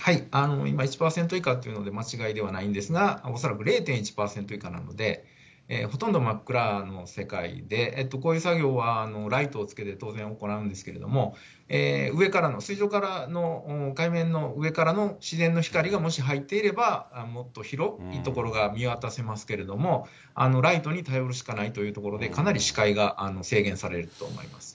１％以下っていうので間違いではないんですが、恐らく０．１％以下なので、ほとんど真っ暗な世界で、こういう作業は、ライトをつけて当然行うんですけれども、上からの、水上からの海面の、上からの自然の光がもし入っていれば、もっと広い所が見渡せますけれども、ライトに頼るしかないというところで、かなり視界が制限されると思います。